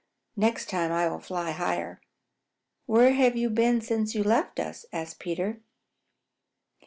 Next time I will fly higher." "Where have you been since you left us?" asked Peter.